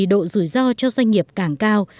độ rủi ro cho doanh nghiệp càng cao